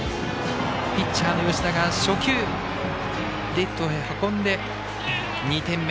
ピッチャーの吉田が初球レフトへ運んで２点目。